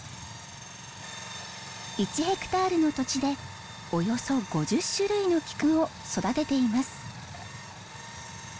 １ヘクタールの土地でおよそ５０種類のキクを育てています。